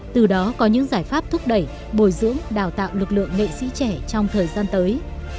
từ đó có những giải pháp thúc đẩy bồi dưỡng đào tạo lực lượng nghệ sĩ trẻ trong thời gian tới